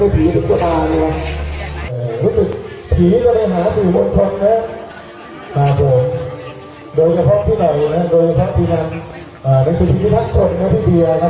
ต้องใช้สาขาอะไรด้วยต้องให้ผีถึงกระตาดีกว่า